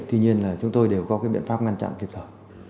tuy nhiên là chúng tôi đều có biện pháp ngăn chặn kịp thở